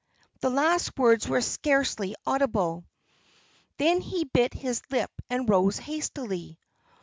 The last words were scarcely audible. Then he bit his lip, and rose hastily.